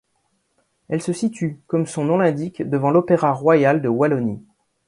Elle se situe, comme son nom l'indique, devant l'Opéra royal de Wallonie.